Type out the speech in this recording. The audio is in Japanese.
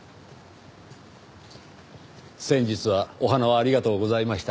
先日はお花をありがとうございました。